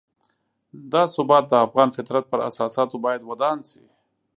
دا ثبات د افغان فطرت پر اساساتو باید ودان شي.